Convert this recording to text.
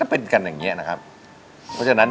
เพราะฉะนั้น